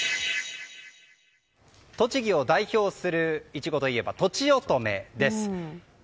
栃木を代表するイチゴといえばとちおとめです。